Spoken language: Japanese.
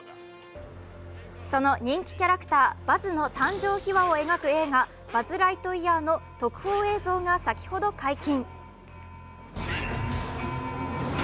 その人気キャラクターバズの誕生秘話を描いた「バズ・ライトイヤー」の特報映像が先ほど解禁。